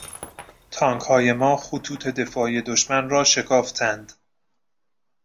تانکهای ما خطوط دفاعی دشمن را شکافتند.